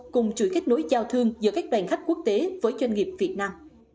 cùng chuỗi kết nối giao thương giữa các đoàn khách quốc tế với doanh nghiệp việt nam